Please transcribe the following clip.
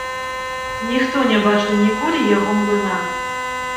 Ніхто не бачыў ніколі яго млына.